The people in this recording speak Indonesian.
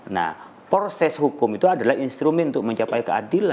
nah proses hukum itu adalah instrumen untuk mencapai keadilan